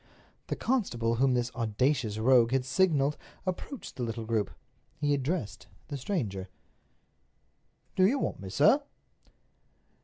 The constable whom this audacious rogue had signaled approached the little group. He addressed the stranger: "Do you want me, sir?"